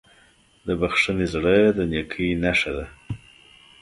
د بښنې زړه د نیکۍ نښه ده.